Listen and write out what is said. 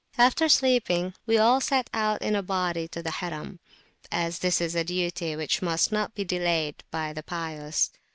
After sleeping, we all set out in a body to the Harim, as this is a duty which must not be delayed by the pious.